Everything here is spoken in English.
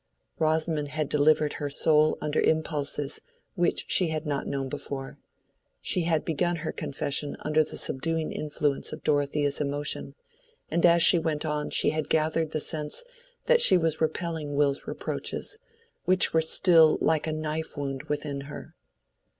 Rosamond had delivered her soul under impulses which she had not known before. She had begun her confession under the subduing influence of Dorothea's emotion; and as she went on she had gathered the sense that she was repelling Will's reproaches, which were still like a knife wound within her.